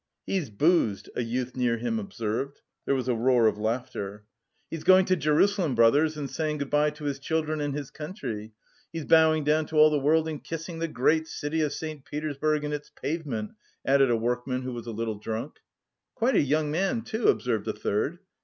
"He's boozed," a youth near him observed. There was a roar of laughter. "He's going to Jerusalem, brothers, and saying good bye to his children and his country. He's bowing down to all the world and kissing the great city of St. Petersburg and its pavement," added a workman who was a little drunk. "Quite a young man, too!" observed a third.